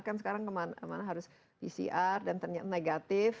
kan sekarang harus pcr dan ternyata negatif